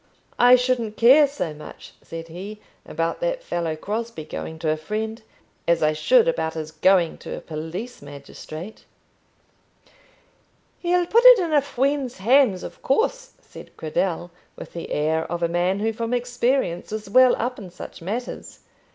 "I shouldn't care so much," said he, "about that fellow Crosbie going to a friend, as I should about his going to a police magistrate." "He'll put it in a friend's hands, of course," said Cradell, with the air of a man who from experience was well up in such matters.